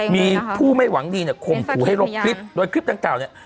มีผู้ไม่หวังดีเนี่ยข่มขู่ให้ลบคลิปโดยคลิปดังกล่าวเนี่ย